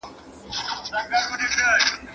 ¬ بې ما دي شل نه کړه.